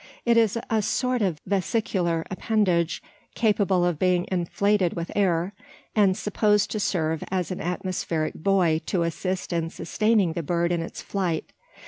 It is a sort of vesicular appendage, capable of being inflated with air; and supposed to serve as an atmospheric buoy to assist in sustaining the bird in its flight.